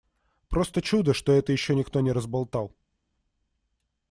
Просто чудо, что это ещё никто не разболтал.